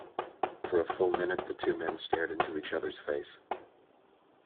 For a full minute the two men stared into each other's face.